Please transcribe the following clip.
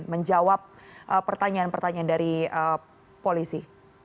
menjawab pertanyaan pertanyaan dari polisi